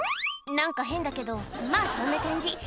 「何か変だけどまぁそんな感じ」